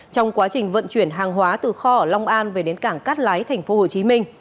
trong quá trình vận chuyển hàng hóa từ kho ở long an về đến cảng cát lái tp hcm